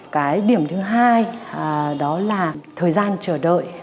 cái điểm thứ hai đó là thời gian chờ đợi